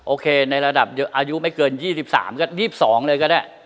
โอเคในระดับอายุไม่เกิน๒๓ก็๒๒เลยก็ได้